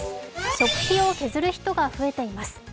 食費を削る人が増えています。